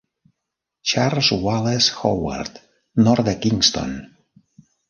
Charles Wallace Howard, nord de Kingston.